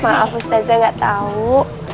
maaf ustazah gak tau